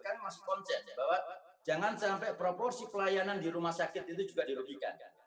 kan masih konsep bahwa jangan sampai proporsi pelayanan di rumah sakit itu juga dirugikan